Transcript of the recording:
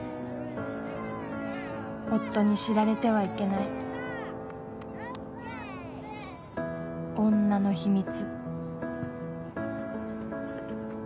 夫に知られてはいけない女の秘密。